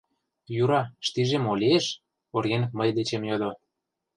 «Юра, штиже мо лиеш?» — оръеҥ мый дечем йодо.